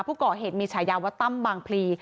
ผู้ก่อเหตุชาย้าวต้ำบางพรี